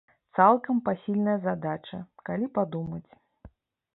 Цалкам пасільная задача, калі падумаць.